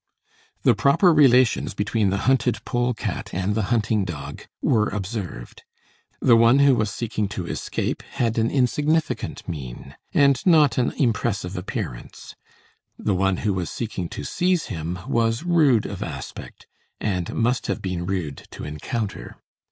The proper relations between the hunted pole cat and the hunting dog were observed. The one who was seeking to escape had an insignificant mien and not an impressive appearance; the one who was seeking to seize him was rude of aspect, and must have been rude to encounter.